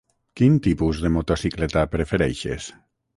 Quin tipus de motocicleta prefereixes?